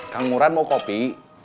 kang murad mau kopi